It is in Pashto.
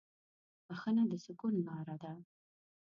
بښنه د سکون لاره ده.